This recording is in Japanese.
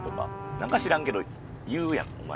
なんか知らんけど言うやんお前。